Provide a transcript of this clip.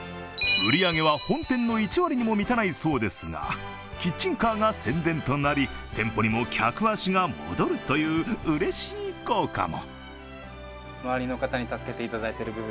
売り上げは本店の１割にも満たないそうですが、キッチンカーが宣伝となり店舗にも客足が戻るといううれしい効果も。